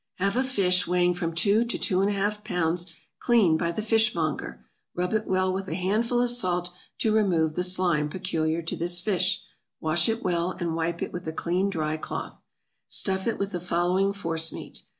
= Have a fish weighing from two to two and a half pounds cleaned by the fishmonger; rub it well with a handful of salt, to remove the slime peculiar to this fish, wash it well, and wipe it with a clean, dry cloth; stuff it with the following forcemeat.